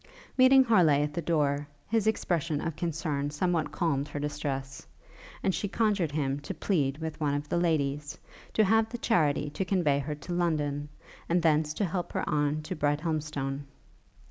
Meeting Harleigh at the door, his expression of concern somewhat calmed her distress, and she conjured him to plead with one of the ladies, to have the charity to convey her to London, and thence to help her on to Brighthelmstone.